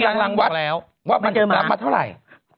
กำลังวัดว่ามันเจอหมาเท่าไหร่